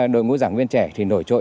đội ngũ giảng viên trẻ thì nổi trội